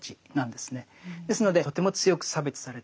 ですのでとても強く差別されている。